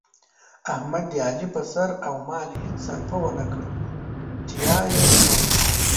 احمد د علي په سر او مال هېڅ سرفه ونه کړه، تیاه یې کړ.